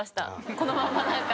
このままなんか。